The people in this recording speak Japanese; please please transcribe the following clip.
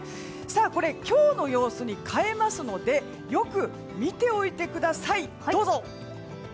これ、今日の様子に変えますのでよく見ておいてください。